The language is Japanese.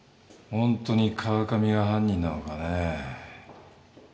本当に川上が犯人なのかね。